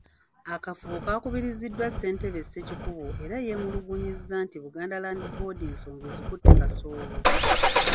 Akafubo kaakubiriziddwa Ssentebe Ssekikubo era yeemulugunyizza nti Buganda Land Board ensonga ezikutte kasoobo.